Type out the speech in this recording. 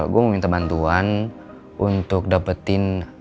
gue mau minta bantuan untuk dapetin